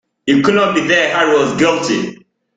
It could not be that Harry was guilty.